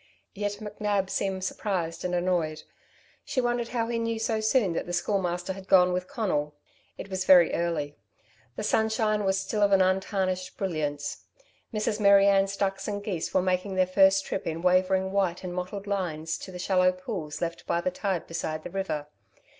Yet McNab seemed surprised and annoyed. She wondered how he knew so soon that the Schoolmaster had gone with Conal. It was very early. The sunshine was still of an untarnished brilliance. Mrs. Mary Ann's ducks and geese were making their first trip in wavering white and mottled lines to the shallow pools left by the tide beside the river.